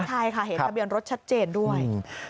ใช่ค่ะเห็นทะเบียนรถชัดเจนด้วย